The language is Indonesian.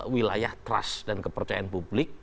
wilayah trust dan kepercayaan publik